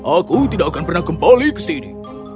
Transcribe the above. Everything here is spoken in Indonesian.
aku tidak akan pernah kembali ke sini